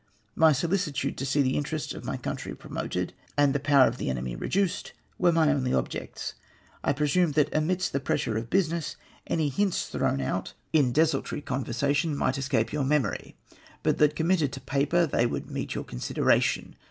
My solicitude to see the interests of my country promoted and the power of the enemy reduced were my only objects. I presumed that amidst the pressm e of business any hints thrown out in MY EEPLY 163 desultory conversation might escape yoiu' memory, but that committed to paper they would meet your consideration.